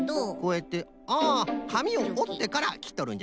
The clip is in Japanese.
あかみをおってからきっとるんじゃな。